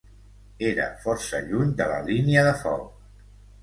Era força lluny de la línia de foc